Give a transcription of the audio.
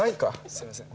すいません。